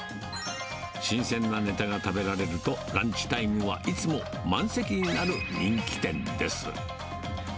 新鮮なねたが食べられると、ランチタイムはいつも満席になる人気店です。